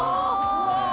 ・うわ